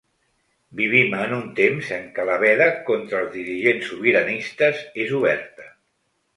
Vivim en un temps en què la veda contra els dirigents sobiranistes és oberta.